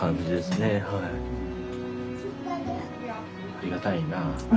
ありがたいなあ。